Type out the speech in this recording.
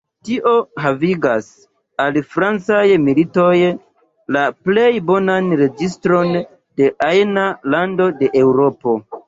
Tio havigas al francaj militistoj la plej bonan registron de ajna lando de Eŭropo".